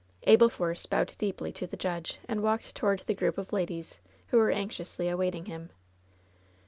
Abel Force bowed deeply to the judge, and walked toward the group of ladies who were anxiously awaiting him.